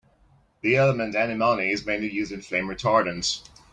The element antimony is mainly used in flame retardants.